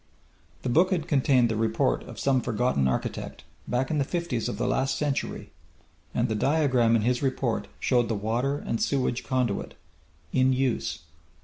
The book had contained the report of some forgotten architect, back in the fifties of the last century, and the diagram in his report showed the water and sewage conduit in use!